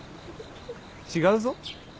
違うぞ。